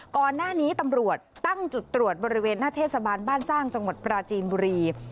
ก่อนหน้านี้ตำรวจตั้งจุดตรวจบริเวณหน้าเทศบาลบ้านสร้างจังหวัดปราจีนบุรี